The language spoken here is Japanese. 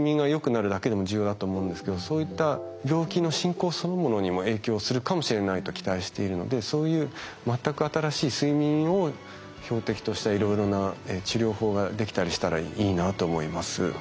なるだけでも重要だと思うんですけどそういった病気の進行そのものにも影響するかもしれないと期待しているのでそういう全く新しい睡眠を標的としたいろいろな治療法ができたりしたらいいなと思います。